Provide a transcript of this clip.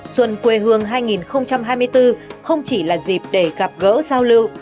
xuân quê hương hai nghìn hai mươi bốn không chỉ là dịp để gặp gỡ giao lưu